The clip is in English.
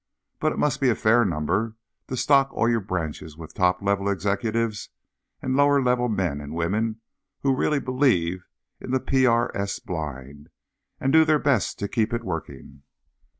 But it must be a fair number to stock all your branches with "top level" executives and the lower level men and women who really believe in the PRS blind, and do their best to keep it working.